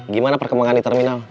gimana perkembangan di terminal